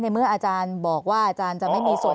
เมื่ออาจารย์บอกว่าอาจารย์จะไม่มีส่วน